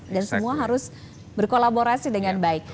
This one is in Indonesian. dan semua harus berkolaborasi dengan baik